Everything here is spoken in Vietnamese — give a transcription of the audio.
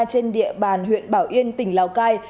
trên địa bàn huyện bảo yên tỉnh lào cai